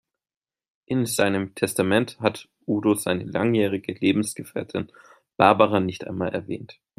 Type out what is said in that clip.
In seinem Testament hat Udo seine langjährige Lebensgefährtin Barbara nicht einmal erwähnt.